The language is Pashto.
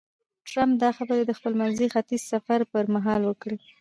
ټرمپ دا خبرې د خپل منځني ختیځ سفر پر مهال وکړې.